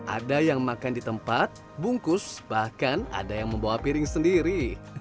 ada yang makan di tempat bungkus bahkan ada yang membawa piring sendiri